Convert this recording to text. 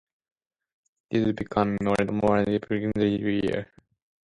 This is becoming more and more evident every year.